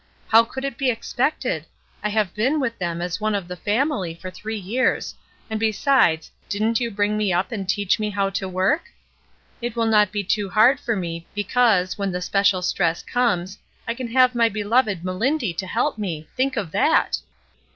How could it be expected? I have been with them as one of the family for three years, and besides, didn't you bring me up and teach me how to work? It will not be too hard for me, because, when the HOME 285 special stress comes, I can have my beloved 'Melindy' to help me; think of that!